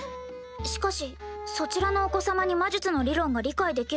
しかしそちらのお子様に魔術の理論が理解できるとは思いませんが。